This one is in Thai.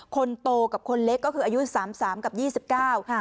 คนโตกับคนเล็กก็คืออายุสามสามกับยี่สิบเก้าค่ะ